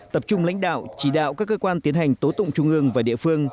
tập trung lãnh đạo chỉ đạo các cơ quan tiến hành tố tụng trung ương và địa phương